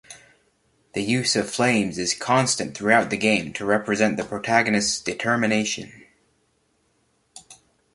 The use of flames is constant throughout the game to represent the protagonist's determination.